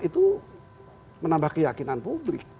itu menambah keyakinan publik